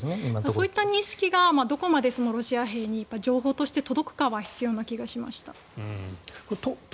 そういった認識がどこまでロシア兵に情報として届くかは必要な気がしました。